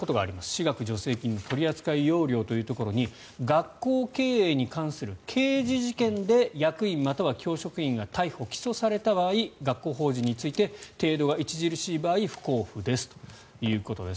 私学助成金の取扱要領というところに学校経営に関する刑事事件で役員または教職員が逮捕・起訴された場合学校法人について程度が著しい場合不交付ですということです。